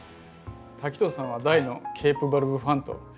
滝藤さんは大のケープバルブファンと。